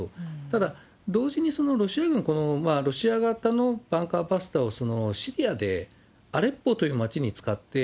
ただ、同時にロシア軍、ロシア型のバンカーバスターをシリアでアレッポという町に使って、